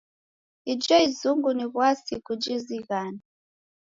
Ijo izungu ni w'asi kujizighana.